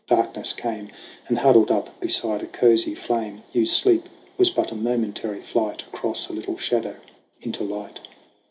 Darkness came; And huddled up beside a cozy flame, Hugh's sleep was but a momentary flight Across a little shadow into light.